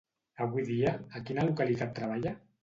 Avui dia, a quina localitat treballa?